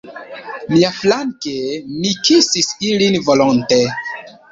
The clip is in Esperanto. Miaflanke, mi kisis ilin volonte.